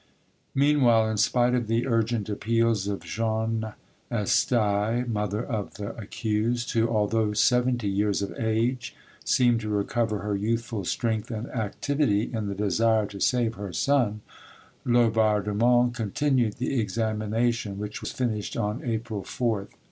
Meanwhile, in spite of the urgent appeals of Jeanne Esteye, mother of the accused, who, although seventy years of age, seemed to recover her youthful strength and activity in the desire to save her son, Laubardemont continued the examination, which was finished on April 4th.